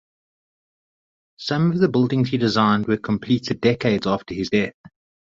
Some of the buildings he designed were completed decades after his death.